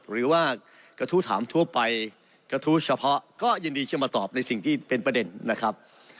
หรือว่ากระทู้ถามทั่วไปกระทู้เฉพาะก็ยินดีจะมาตอบในสิ่งที่เป็นประเด็นนะครับ